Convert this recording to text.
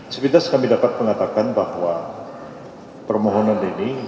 sepintas kami dapat mengatakan bahwa permohonan ini